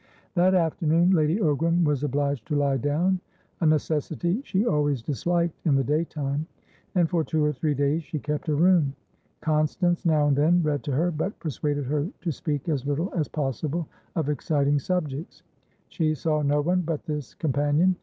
That afternoon Lady Ogram was obliged to lie down, a necessity she always disliked in the daytime, and for two or three days she kept her room. Constance now and then read to her, but persuaded her to speak as little as possible of exciting subjects. She saw no one but this companion.